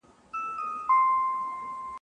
د رویبار مي سترګي سرې وې زما کاغذ دي وو سوځولی !.